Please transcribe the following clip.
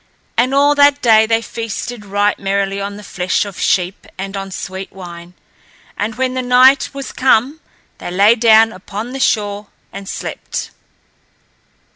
And all that day they feasted right merrily on the flesh of sheep and on sweet wine, and when the night was come, they lay down upon the shore and slept.